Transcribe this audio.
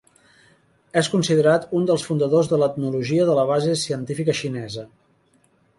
És considerat un dels fundadors de l'etnologia de base científica xinesa.